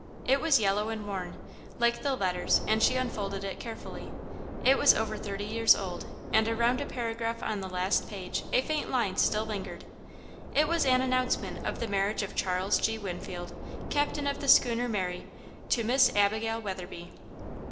It was yellow and worn, like the letters, and she unfolded it carefully. It was over thirty years old, and around a paragraph on the last page a faint line still lingered. It was an announcement of the marriage of Charles G. Winfield, captain of the schooner Mary, to Miss Abigail Weatherby.